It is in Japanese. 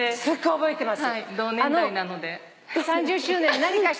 覚えてます！